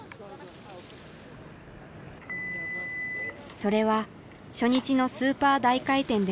それは初日のスーパー大回転でのこと。